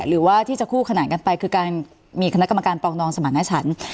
หรือว่าที่จะคู่ขนานกันไปคือการมีคณะกรรมการปรองดองสมรรถฉัน